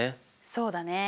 そうだね。